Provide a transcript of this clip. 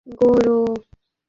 আমি তাকে মারব না।